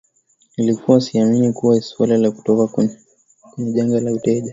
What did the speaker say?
Nilikuwa siamini kwenye suala la kutoka kwenye janga la uteja